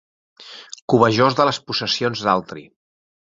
Cobejós de les possessions d'altri.